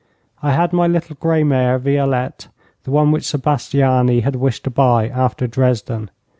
I had my little grey mare, Violette, the one which Sebastiani had wished to buy after Dresden.